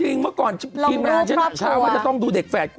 จริงเมื่อก่อนทีนานฉันหาเช้าว่าจะต้องดูเด็กแฟด